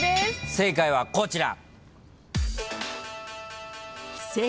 正解はこちら。